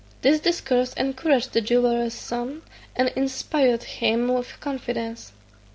This discourse encouraged the jeweller's son, and inspired him with confidence.